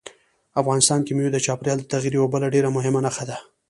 افغانستان کې مېوې د چاپېریال د تغیر یوه بله ډېره مهمه نښه ده.